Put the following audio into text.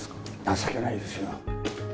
情けないですよ。